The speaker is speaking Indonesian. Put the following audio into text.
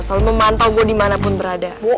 selalu memantau gue dimanapun berada